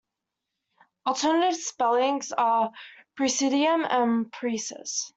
Alternative spellings are "presidium" and "preses".